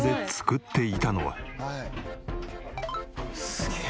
すげえ。